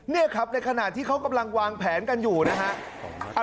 นี่ครับในขณะที่เขากำลังวางแผนกันอยู่นะฮะ